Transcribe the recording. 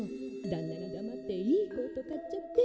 だんなにだまっていいコート買っちゃって。